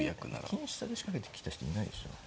金下で仕掛けてきた人いないでしょ。